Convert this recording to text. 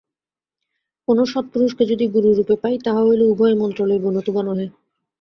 কোন সৎপুরুষকে যদি গুরুরূপে পাই, তাহা হইলে উভয়ে মন্ত্র লইব, নতুবা নহে।